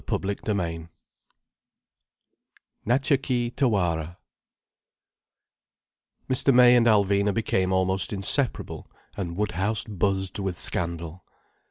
CHAPTER VII NATCHA KEE TAWARA Mr. May and Alvina became almost inseparable, and Woodhouse buzzed with scandal.